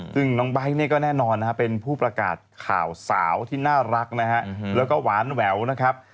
ซึ่งน้องไบท์เนี่ยก็แน่นอนนะฮะเป็นผู้ประกาศข่าวสาวที่น่ารักนะฮะแล้วก็หวานแหววนะครับ